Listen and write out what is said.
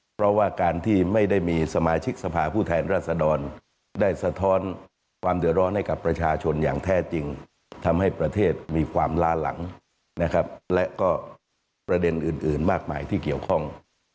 เพราะว่าการที่ไม่ได้มีสมาชิกสภาผู้แทนรัศดรได้สะท้อนความเดือดร้อนให้กับประชาชนอย่างแท้จริงทำให้ประเทศมีความล้าหลังนะครับและก็ประเด็นอื่นมากมายที่เกี่ยวข้อง